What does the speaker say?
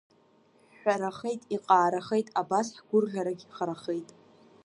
Ҳәҳәарахеит, иҟаарахеит, абас ҳгәырӷьагь харахеит…